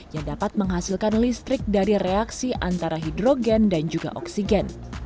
yang dapat menghasilkan listrik dari reaksi antara hidrogen dan juga oksigen